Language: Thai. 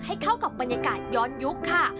เข้ากับบรรยากาศย้อนยุคค่ะ